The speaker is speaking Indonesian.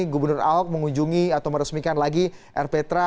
gubernur ahok mengunjungi atau meresmikan lagi rptra